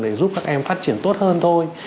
để giúp các em phát triển tốt hơn thôi